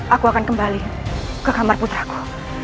aku akan kembali ke kamar putraku